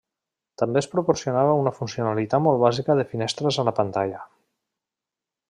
També es proporcionava una funcionalitat molt bàsica de finestres a la pantalla.